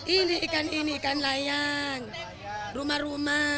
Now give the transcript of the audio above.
ini ikan ini ikan layang rumah rumah